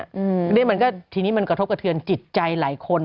อันนี้มันก็ทีนี้มันกระทบกระเทือนจิตใจหลายคน